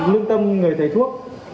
lương tâm người thầy thuốc